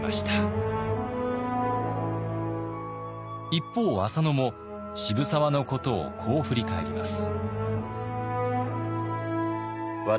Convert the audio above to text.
一方浅野も渋沢のことをこう振り返ります。